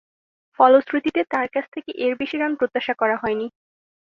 ফলশ্রুতিতে, তার কাছ থেকে এর বেশি রান প্রত্যাশা করা হয়নি।